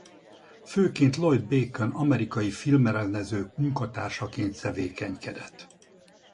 Főként Lloyd Bacon amerikai filmrendező munkatársaként tevékenykedett.